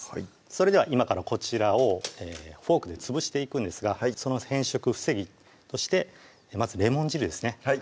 それでは今からこちらをフォークで潰していくんですがその変色防ぎとしてまずレモン汁ですね